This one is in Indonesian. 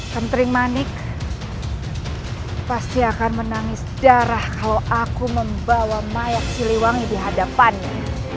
penting manik pasti akan menangis darah kalau aku membawa mayat siliwangi di hadapannya